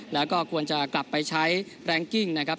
แล้วก็ควรจะกลับไปใช้แรงกิ้งนะครับ